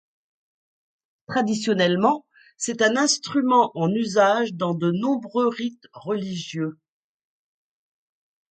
Traditionnellement, c'est un instrument en usage dans de nombreux rites religieux.